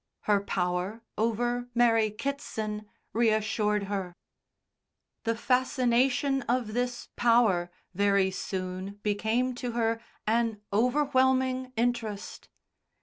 Her power over Mary Kitson reassured her. The fascination of this power very soon became to her an overwhelming interest.